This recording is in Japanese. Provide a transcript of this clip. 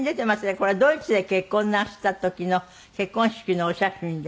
これはドイツで結婚なすった時の結婚式のお写真で。